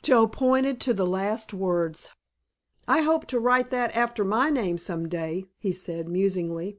Joe pointed to the last words. "I hope to write that after my name some day," he said musingly.